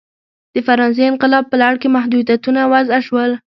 د فرانسې انقلاب په لړ کې محدودیتونه وضع شول.